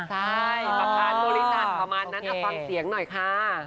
ใช่ประธานบริษัทประมาณนั้นฟังเสียงหน่อยค่ะ